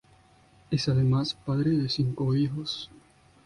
Es además padre de cinco hijos.